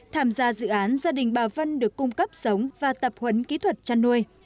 tham gia dự án gia đình bà vân được cung cấp sống và tập huấn kỹ thuật chăn nuôi